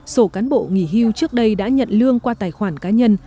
sổ cán bộ nghỉ hưu trước đây đã nhận lương qua tài khoản cá nhân